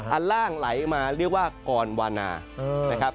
อันล่างไหลมาเรียกว่ากรวานะ